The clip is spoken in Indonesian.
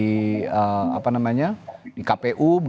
nanti juga setelah itu akan ada proses penyelesaian sekitar pemilu di kpu